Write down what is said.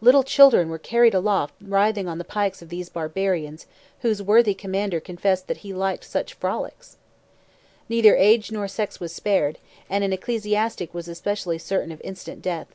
Little children were carried aloft writhing on the pikes of these barbarians, whose worthy commander confessed that "he liked such frolics." Neither age nor sex was spared, and an ecclesiastic was especially certain of instant death.